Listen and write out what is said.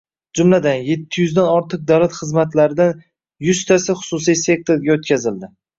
Jumladan, yetti yuzdan ortiq davlat xizmatlaridan yuztasi xususiy sektorga o‘tkaziladi.